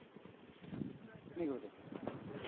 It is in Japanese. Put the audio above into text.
目黒です。